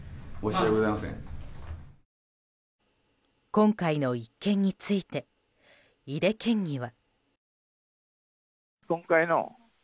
今回の一件について井手県議は。